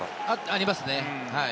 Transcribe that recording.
ありますね。